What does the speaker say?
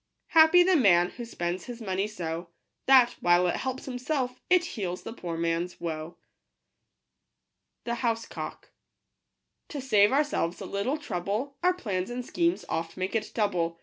Happy the man who spends his money so, That, while it helps himself, it heals the poor man's woe. 21 Digitized by Google _J0. _r. TO save ourselves a little trouble, Our plans and schemes oft make it double.